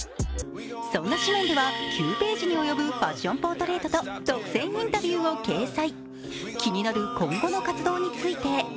そんな誌面では９ページに及ぶファッションポートレートと独占インタビューを掲載。